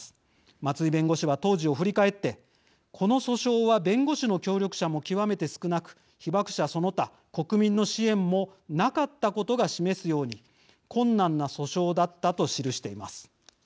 松井弁護士は当時を振り返ってこの訴訟は弁護士の協力者も極めて少なく被爆者その他国民の支援もなかったことが示すように困難な訴訟だったと記しています。